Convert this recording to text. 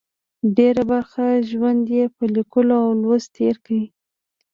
ډېره برخه ژوند یې په لیکلو او لوست تېر کړه.